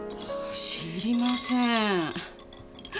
知りません。